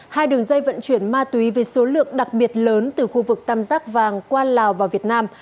hai đường dây vận chuyển ma túy với số lượng đặc biệt lớn từ khu vực tam giác vàng qua lào và việt nam